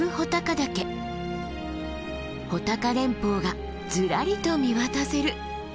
穂高連峰がずらりと見渡せる。